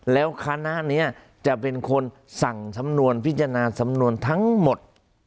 แล้วคณะนี้จะเป็นคนสั่งสำนวนพิจารณาสำนวนทั้งหมด